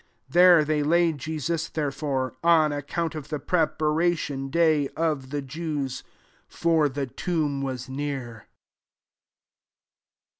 42 There they laid Jesus, therefore, on account of the preparation (/ay of thg Jews ; for the tomb was near.